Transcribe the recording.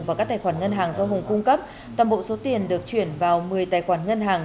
vào các tài khoản ngân hàng do hùng cung cấp toàn bộ số tiền được chuyển vào một mươi tài khoản ngân hàng